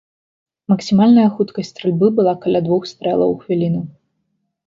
Максімальная хуткасць стральбы была каля двух стрэлаў у хвіліну.